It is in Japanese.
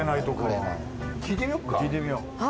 聞いてみよう。